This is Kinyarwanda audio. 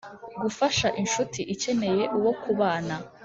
Gufasha incuti ikeneye uwo kubana